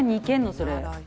それ。